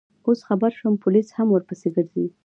اوس خبر شوم، پولیس هم ورپسې ګرځي.